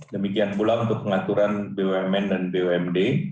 demikian pula untuk pengaturan bumn dan bumd